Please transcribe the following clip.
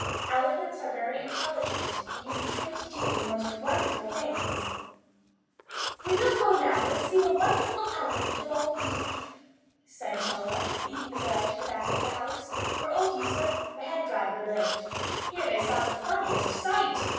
Elephants are very intelligent, and can be trained to do the most wonderful things. "We will go now and see the wonderful elephant of old Yusuf," said Chola, leading the way to the back of the house, where old Yusuf, the head driver, lived. Here they saw the funniest sight.